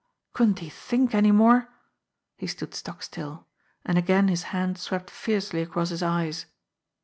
Couldn't he think any more ! He stood stock still, and again his hand swept fiercely across his eyes.